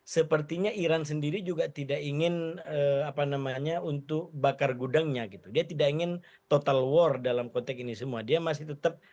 sepertinya iran sendiri juga tidak ingin apa namanya untuk bakar gudangnya gitu dia tidak ingin total war dalam konteks ini semua dia masih tetap